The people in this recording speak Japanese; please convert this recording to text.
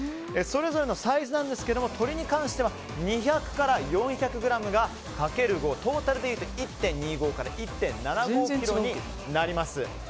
それぞれのサイズなんですが鶏に関しては２００から４００ｇがかける５トータルでいうと１．２５ｋｇから１．７５ｋｇになります。